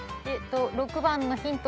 ６番のヒント